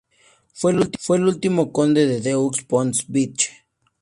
Fue el último conde de Deux-Ponts-Bitche.